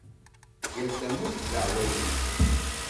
Yal tamurt d leεwayed-is.